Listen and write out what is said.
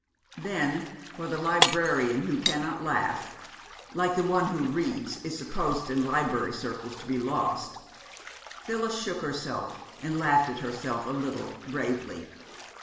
Then, for the librarian who cannot laugh, like the one who reads, is supposed in library circles to be lost, Phyllis shook herself and laughed at herself a little, bravely.